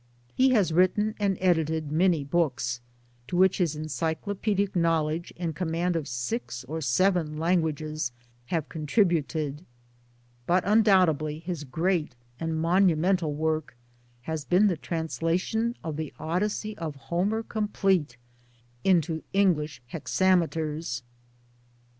He has written and edited many books, to which his encyclo paedic knowledge and command of six or seven lan guages have contributed ; but undoubtedly his great and monumental work has been the translation of the Odyssey of Homer complete into English hexa meters.